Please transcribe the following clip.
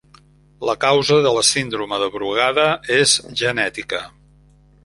La causa de la síndrome de Brugada és genètica.